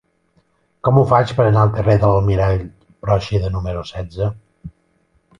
Com ho faig per anar al carrer de l'Almirall Pròixida número setze?